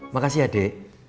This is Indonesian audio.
makasih ya dek